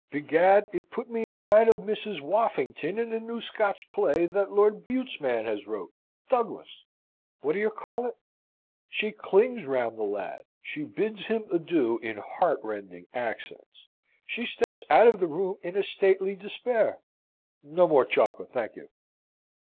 Begad, it put me in mind of Mrs. Woffington in the new Scotch play, that Lord Bute's man has wrote Douglas what d'ye call it? She clings round the lad: she bids him adieu in heartrending accents. She steps out of the room in a stately despair no more chocolate, thank you.